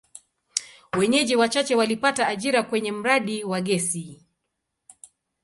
Wenyeji wachache walipata ajira kwenye mradi wa gesi.